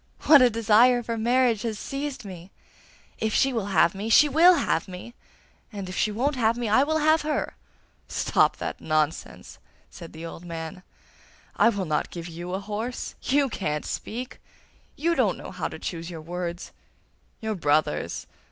What a desire for marriage has seized me! If she will have me, she WILL have me, and if she won't have me, I will have her.' 'Stop that nonsense!' said the old man. 'I will not give you a horse. YOU can't speak; YOU don't know how to choose your words. Your brothers!